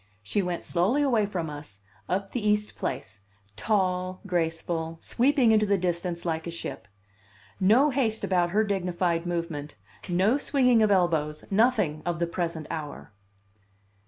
She went slowly away from us, up the East Place, tall, graceful, sweeping into the distance like a ship. No haste about her dignified movement, no swinging of elbows, nothing of the present hour!